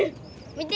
見て。